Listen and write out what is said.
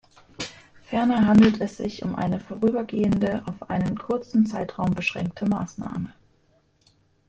Ferner handelt es sich um eine vorübergehende, auf einen kurzen Zeitraum beschränkte Maßnahme.